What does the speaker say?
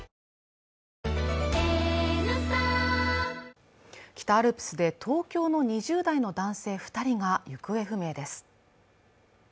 ニトリ北アルプスで東京の２０代の男性２人が行方不明です。